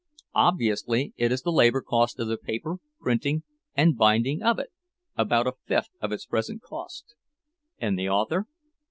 "Obviously it is the labor cost of the paper, printing, and binding of it—about a fifth of its present cost." "And the author?"